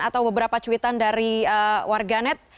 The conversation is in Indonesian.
atau beberapa cuitan dari warga net